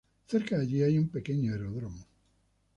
Cerca de allí hay un pequeño aeródromo.